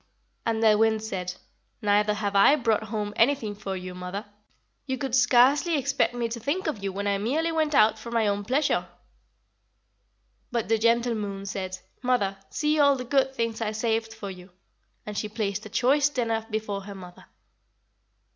"And the Wind said: 'Neither have I brought home anything for you, mother. You could scarcely expect me to think of you when I merely went out for my own pleasure.' "But the gentle Moon said: 'Mother, see all the good things I saved for you,' and she placed a choice dinner before her mother.